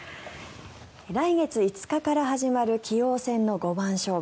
来月５日から始まる棋王戦の五番勝負。